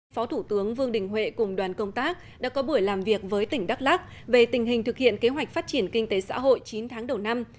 phó thủ tướng vương đình huệ cùng đoàn công tác đã có buổi làm việc với tỉnh đắk lắc về tình hình thực hiện kế hoạch phát triển kinh tế xã hội chín tháng đầu năm